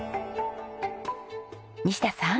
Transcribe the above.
西田さん。